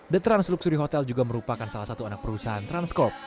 the transluxury hotel juga merupakan salah satu anak perusahaan transcorp